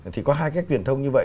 thì có hai cái truyền thông như vậy